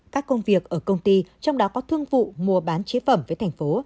các công việc ở công ty trong đó có thương vụ mua bán chế phẩm với thành phố